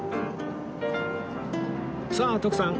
さあ徳さん